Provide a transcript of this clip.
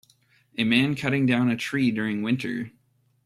A man cutting down a tree during winter